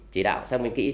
chỉ đạo xác minh kỹ